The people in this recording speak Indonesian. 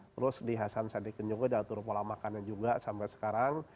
terus di hasan sadikin juga diatur pola makannya juga sampai sekarang